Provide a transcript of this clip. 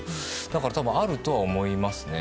だから、あるとは思いますね。